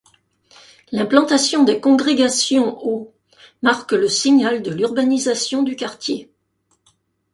L'implantation des congrégations au marque le signal de l'urbanisation du quartier.